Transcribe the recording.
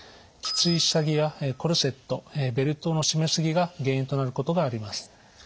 きつい下着やコルセットベルトの締めすぎが原因となることがあります。